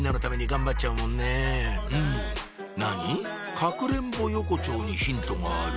かくれんぼ横町にヒントがある？